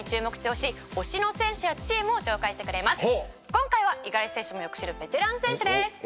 今回は五十嵐選手もよく知るベテラン選手です。